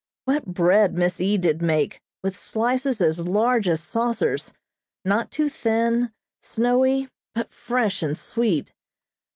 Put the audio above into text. What bread Miss E. did make, with slices as large as saucers, not too thin, snowy, but fresh and sweet.